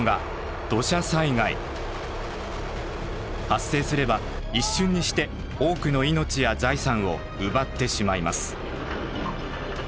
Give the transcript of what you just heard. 発生すれば一瞬にして多くの命や財産を奪ってしまいます。